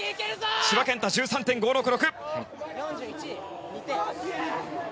千葉健太、１３．５６６。